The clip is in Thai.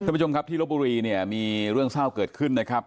ผู้ชมครับที่ลบบุรีเนี่ยมีเรื่องเศร้าเกิดขึ้นนะครับ